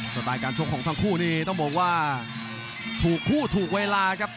สไตล์การชกของทั้งคู่นี้ต้องบอกว่าถูกคู่ถูกเวลาครับ